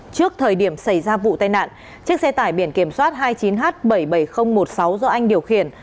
trước thời điểm xảy ra vụ tai nạn chiếc xe tải biển kiểm soát hai mươi chín h bảy mươi bảy nghìn một mươi sáu do anh điều khiển